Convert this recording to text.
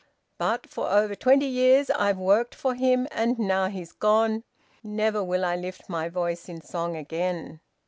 But for over twenty years I've worked for him, and now he's gone, never will I lift my voice in song again!"